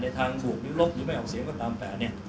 ในทางห่วงไม่ลบไม่ออกเสียงก็ตามแปลเนี่ย